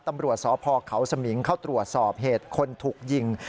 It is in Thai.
ตำรวจสพเขาสมิงเข้าตรวจสอบเหตุคนถูกยิง